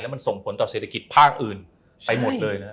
มันส่งผลต่อเศรษฐกิจภาคอื่นไปหมดเลยนะ